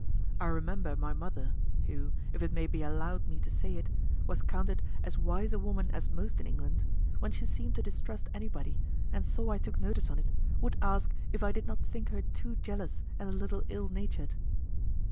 I remember my mother (who, if it may be allowed me to say it) was counted as wise a woman as most in England, when she seemed to distrust anybody, and saw I took notice on't, would ask if I did not think her too jealous and a little ill natured.